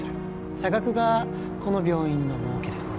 差額がこの病院のもうけです